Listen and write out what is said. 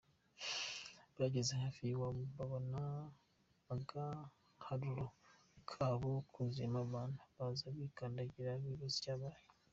Bageze hafi y’iwabo babona agaharuro kabo kuzuyeho abantu; baza bikandagira, bibaza icyahabaye.